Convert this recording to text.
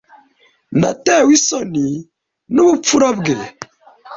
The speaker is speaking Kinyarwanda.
Natewe isoni nubupfura bwe.